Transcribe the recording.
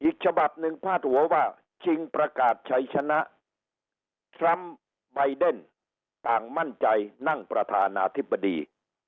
อีกฉบับหนึ่งพาดหัวว่าชิงประกาศชัยชนะทรัมป์ใบเดนต่างมั่นใจนั่งประธานาธิบดี